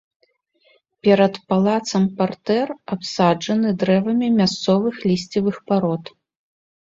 Перад палацам партэр, абсаджаны дрэвамі мясцовых лісцевых парод.